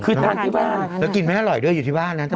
คือทานที่บ้านแล้วกินไม่อร่อยด้วยอยู่ที่บ้านนะ